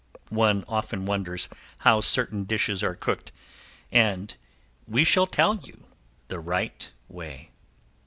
One often wonders how certain dishes are cooked and we shall tell you "the right way."